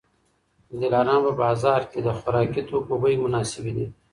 د دلارام په بازار کي د خوراکي توکو بیې مناسبې دي